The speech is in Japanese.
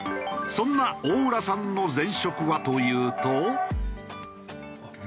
そんな大浦さんの前職はというと。